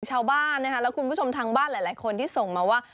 ชาวบ้านนะคะแล้วคุณผู้ชมทางบ้านหลายคนที่ส่งมาว่า